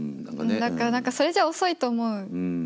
何かそれじゃ遅いと思う。